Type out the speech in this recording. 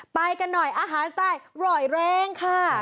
ไปกันหน่อยอาหารใต้อร่อยแรงค่ะ